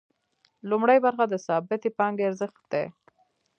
لومړۍ برخه د ثابتې پانګې ارزښت دی